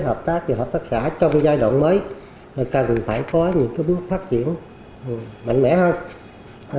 yêu cầu phát triển hợp tác xã trong giai đoạn mới càng phải có những bước phát triển mạnh mẽ hơn